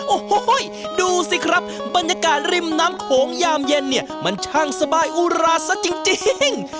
โอ้โหดูสิครับบรรยากาศริมน้ำโขงยามเย็นเนี่ยมันช่างสบายอุราซะจริง